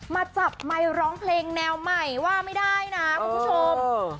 มาจับไมค์ร้องเพลงแนวใหม่ว่าไม่ได้นะคุณผู้ชม